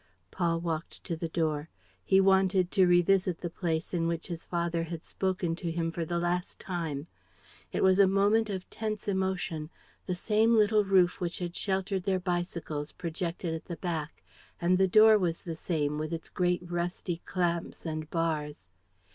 Paul walked to the door. He wanted to revisit the place in which his father had spoken to him for the last time. It was a moment of tense emotion. The same little roof which had sheltered their bicycles projected at the back; and the door was the same, with its great rusty clamps and bars.